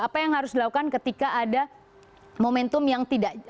apa yang harus dilakukan ketika ada momentum yang tidak